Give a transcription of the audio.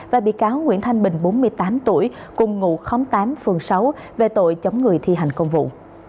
và bị cáo nguyễn thanh bình bốn mươi tám tuổi cùng ngụ khóm tám phường sáu về tội chống người thi hành công vụ